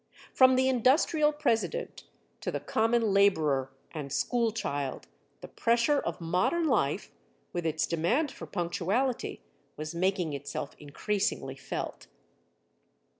From the industrial president to the common laborer and school child the pressure of modern life, with its demand for punctuality, was making itself increasingly felt.